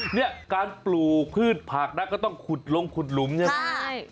เนี่ยการปลูกพืชผักนะก็ต้องขุดลงขุดหลุมใช่ไหม